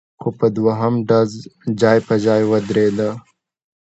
خو په دوهم ډز ځای پر ځای ودرېده،